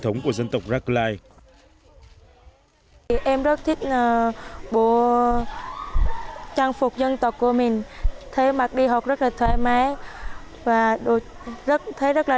thống của dân tộc rakhlai em rất thích bộ trang phục dân tộc của mình thấy mặc đi học rất là